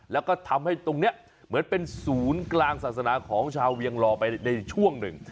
แล้วก็ทำให้ตรงนี้เหมือนเป็นศูนย์กลางศาสนาของชาวเวียงลอไปในช่วงหนึ่ง